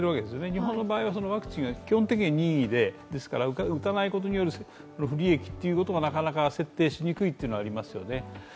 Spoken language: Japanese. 日本の場合はワクチンが基本的に任意で打たないことによる不利益はなかなか設定しにくいというのはありますよね。